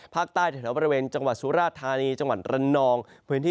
ตั้งแต่แถวบริเวณจังหวัดสุราธานีจังหวัดระนองพื้นที่